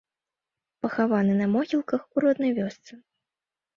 Пахаваны на могілках у роднай вёсцы.